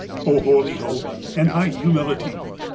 O, holy Hope! and high Humility!